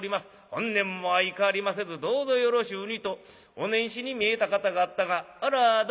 本年も相変わりませずどうぞよろしゅうに』とお年始に見えた方があったがあれはどなたやったな？」。